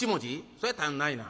そりゃ足んないな。